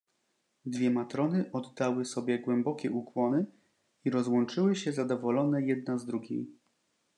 "Dwie matrony oddały sobie głębokie ukłony i rozłączyły się zadowolone jedna z drugiej."